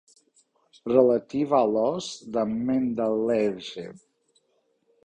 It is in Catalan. Relativa a l'Os de Mendelèjev.